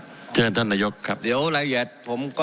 ผมจะขออนุญาตให้ท่านอาจารย์วิทยุซึ่งรู้เรื่องกฎหมายดีเป็นผู้ชี้แจงนะครับ